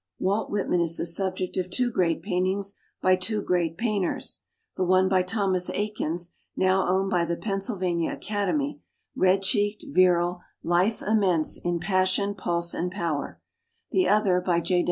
Walt Whitman is the subject of two great paintings by two great painters: the one by Thomas Eakins now owned by the Pennsylvania Academy, red cheeked, virile, ''life immense, in pas sion, pulse and power" ; the other by J.